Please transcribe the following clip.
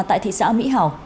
tại thị xã mỹ hảo